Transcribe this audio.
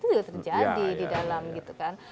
itu sudah terjadi di dalam gitu kan